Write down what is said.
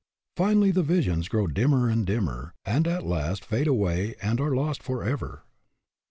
Finally the visions grow dimmer and dimmer, and at hast fade away and are lost forever.